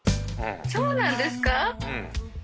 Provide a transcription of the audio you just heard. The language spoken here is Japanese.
そうなんですか⁉うん。